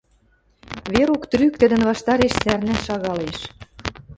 Верук трӱк тӹдӹн ваштареш сӓрнӓл шагалеш.